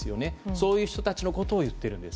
そういう人たちのことを言っているんです。